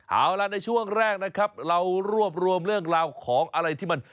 เอาล่ะในช่วงแรกนะครับเรารวบรวมเรื่องราวของอะไรที่มัน